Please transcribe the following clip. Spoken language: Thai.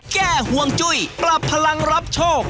ห่วงจุ้ยปรับพลังรับโชค